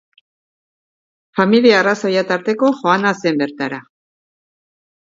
Familia arrazoiak tarteko joana zen bertara.